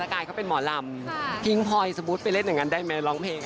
เห็นสกายเขาเป็นหมอลำค่ะพิงพลอยสมมุติไปเล่นเหมือนกันได้ไหมร้องเพลง